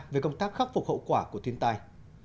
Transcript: về công tác khắc phục hậu quả của thiên tai